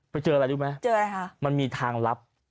ไปเจออะไรรู้ไหมเจออะไรคะมันมีทางลับ